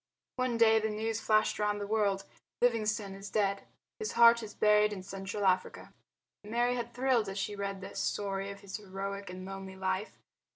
One day the news flashed round the world: "Livingstone is dead. His heart is buried in Central Africa." Mary had thrilled as she read the story of his heroic and lonely life.